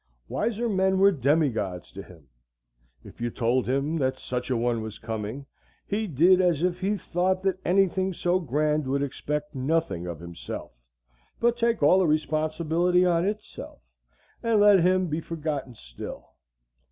Wiser men were demigods to him. If you told him that such a one was coming, he did as if he thought that any thing so grand would expect nothing of himself, but take all the responsibility on itself, and let him be forgotten still.